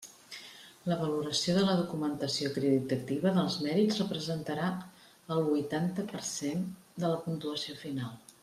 La valoració de la documentació acreditativa dels mèrits representarà el huitanta per cent de la puntuació final.